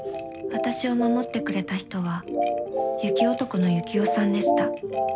私を守ってくれた人は雪男のユキオさんでした。